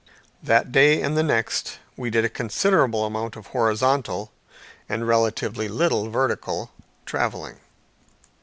That day and the next we did a considerable amount of horizontal, and relatively very little vertical, traveling.